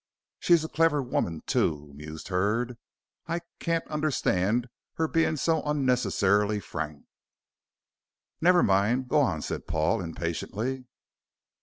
She's a clever woman, too," mused Hurd, "I can't understand her being so unnecessarily frank." "Never mind, go on," said Paul, impatiently.